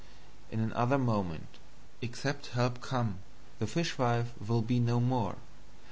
In another Moment, except Help come, the Fishwife will be no more.